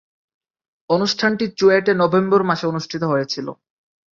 অনুষ্ঠানটি চুয়েটে নভেম্বর মাসে অনুষ্ঠিত হয়েছিলো।